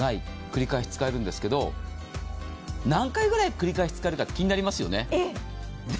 繰り返し使えるんですけど何回ぐらい繰り返し使えるか気になりますよね。